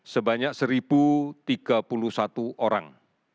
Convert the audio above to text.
sebanyak satu tiga puluh satu orang